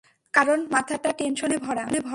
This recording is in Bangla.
কারণ মাথাটা টেনশনে ভরা।